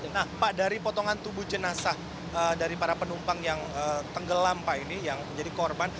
nah pak dari potongan tubuh jenazah dari para penumpang yang tenggelam pak ini yang menjadi korban